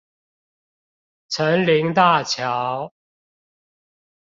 城林大橋